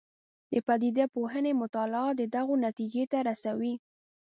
د پدیده پوهنې مطالعات دغو نتیجو ته رسوي.